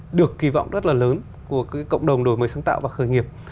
được kỳ vọng rất là lớn của cộng đồng đổi mới sáng tạo và khởi nghiệp